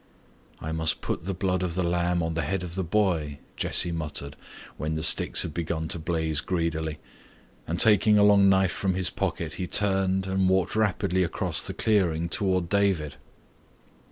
"I must put the blood of the lamb on the head of the boy," Jesse muttered when the sticks had begun to blaze greedily, and taking a long knife from his pocket he turned and walked rapidly across the clearing toward David.